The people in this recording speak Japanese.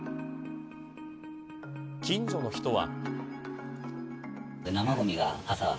近所の人は。